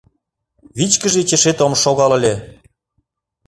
Вичкыж ечешет ом шогал ыле.